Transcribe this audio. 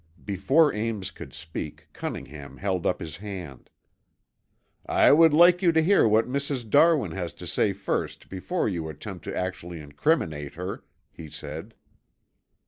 Before Ames could speak, Cunningham held up his hand. "I would like you to hear what Mrs. Darwin has to say first before you attempt to actually incriminate her," he said.